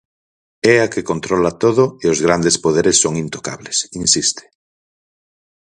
"É a que controla todo e os grandes poderes son intocables", insiste.